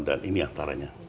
dan ini antaranya